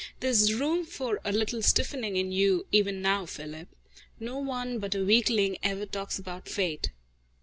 "There's room for a little stiffening in you, even now, Philip! No one but a weakling ever talks about fate.